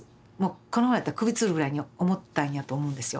このままやったら首つるぐらいに思ったんやと思うんですよ